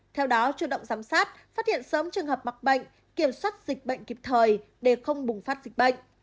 theo đó chủ động giám sát phát hiện sớm trường hợp mắc bệnh kiểm soát dịch bệnh kịp thời để không bùng phát dịch bệnh